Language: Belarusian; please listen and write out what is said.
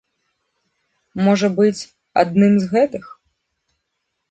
Можа быць, адным з гэтых.